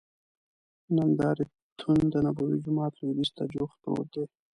نندارتون دنبوي جومات لوید یځ ته جوخت پروت دی.